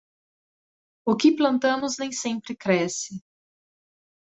O que plantamos nem sempre cresce.